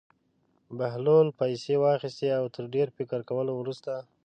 بهلول پېسې واخیستې او تر ډېر فکر کولو وروسته.